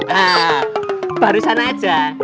hah barusan aja